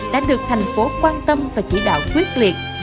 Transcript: đã được thành phố quan tâm và chỉ đạo quyết liệt